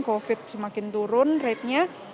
covid semakin turun ratenya